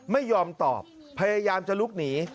ไม่ยอมตอบพยายามจะลุกหนี